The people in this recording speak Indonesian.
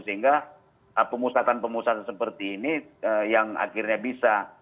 sehingga pemusatan pemusatan seperti ini yang akhirnya bisa